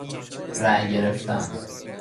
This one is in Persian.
رآی گرفتن